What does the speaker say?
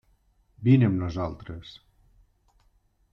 Vine amb nosaltres.